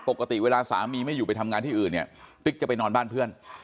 ปกติเวลาสามีไม่อยู่ไปทำงานที่อื่นเนี่ยติ๊กจะไปนอนบ้านเพื่อน